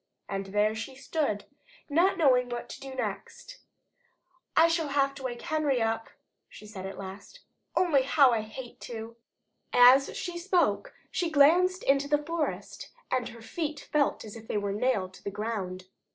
And there she stood, not knowing what to do next. "I shall have to wake Henry up," she said at last. "Only how I hate to!" As she spoke she glanced into the forest, and her feet felt as if they were nailed to the ground. She could not stir.